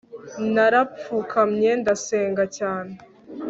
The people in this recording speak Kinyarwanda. narapfukamye ndasenga cyane